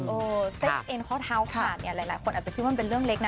เส้นเอ็นข้อเท้าขาดเนี่ยหลายคนอาจจะคิดว่ามันเป็นเรื่องเล็กนะ